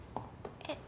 えっ？